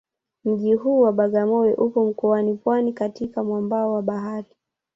Mji huu wa Bagamoyo upo mkoani Pwani katika mwambao wa bahari